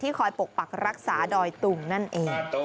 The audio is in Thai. คอยปกปักรักษาดอยตุงนั่นเอง